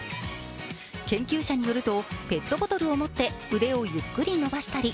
研究者によると、ペットボトルを持って腕をゆっくり伸ばしたり、